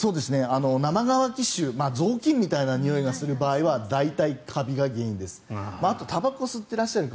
生乾き臭雑巾みたいなにおいがする場合は大体、カビが原因です。